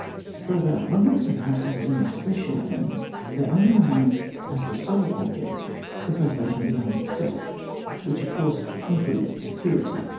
Further, when there is an absence of any special end, there only remains as the sole object the preservation of the army itself, which of course includes its se curity.